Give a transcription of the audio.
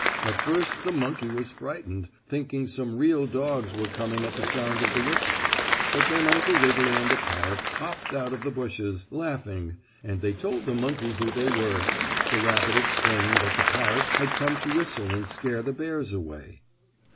At first the monkey was frightened, thinking some real dogs were coming at the sound of the whistle, but then Uncle Wiggily and the parrot popped out of the bushes, laughing, and they told the monkey who they were, the rabbit explaining that the parrot had come to whistle and scare the bears away.